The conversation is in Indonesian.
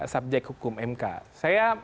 subjek hukum mk saya